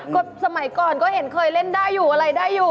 ก็สมัยก่อนก็เห็นเคยเล่นได้อยู่อะไรได้อยู่